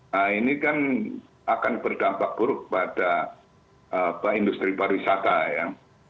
nah ini kan akan berdampak buruk pada industri pariwisata ya